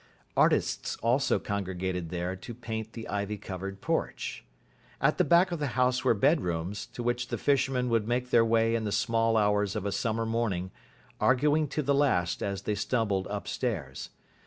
Artists also congregated there to paint the ivy covered porch. At the back of the house were bedrooms, to which the fishermen would make their way in the small hours of a summer morning, arguing to the last as they stumbled upstairs.